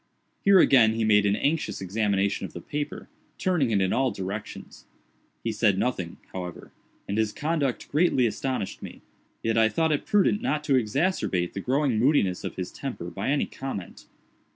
Here again he made an anxious examination of the paper; turning it in all directions. He said nothing, however, and his conduct greatly astonished me; yet I thought it prudent not to exacerbate the growing moodiness of his temper by any comment.